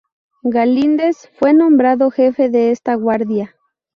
Galíndez fue nombrado jefe de esta guardia.